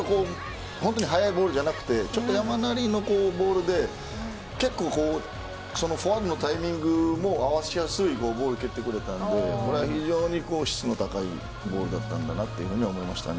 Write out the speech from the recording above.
速いボールじゃなくてちょっと山なりのボールでタイミングを合わせやすいボールを蹴ってくれたので非常に質の高いボールだったなとは思いましたね。